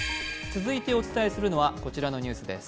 続いてお伝えするのはこちらのニュースです。